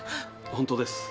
本当です。